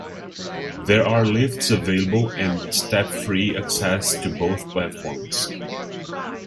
There are lifts available and step-free access to both platforms.